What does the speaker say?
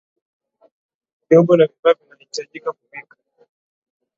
Vyombo na vifaa vinavyahitajika kupika